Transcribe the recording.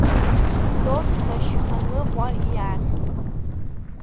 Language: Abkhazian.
Зосма Шьханыҟәа иахь.